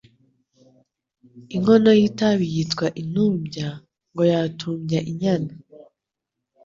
inkono y’itabi yitwa intubya, ngo yatubya inyana